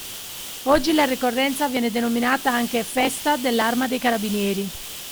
Oggi la ricorrenza viene denominata anche "festa dell'Arma dei Carabinieri".